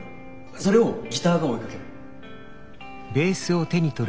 それをギターが追いかける。